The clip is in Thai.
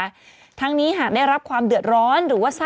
มีสารตั้งต้นเนี่ยคือยาเคเนี่ยใช่ไหมคะ